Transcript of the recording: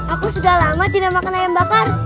aku sudah lama tidak makan ayam bakar